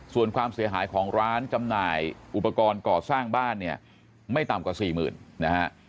ส่วนความเสียหายของร้านจำหน่ายอุปกรณ์ก่อสร้างบ้านเนี่ยไม่ต่ำกว่าสี่หมื่นนะฮะ